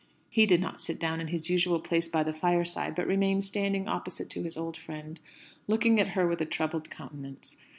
He did not sit down in his usual place by the fireside, but remained standing opposite to his old friend, looking at her with a troubled countenance.